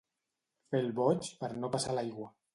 Fer el boig per no passar l'aigua.